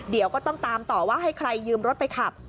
เดี๋ยวก็ต้องตามต่อว่าให้ใครยืมรถไปขับ